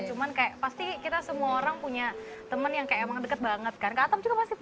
cuman kayak pasti kita semua orang punya temen yang kayak deket banget kan katam juga masih